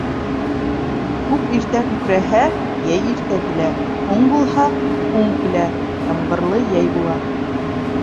Күк иртә күкрәһә — йәй иртә килә, һуң булһа — һуң килә, ямғырлы йәй була.